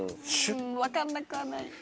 分かんなくはない。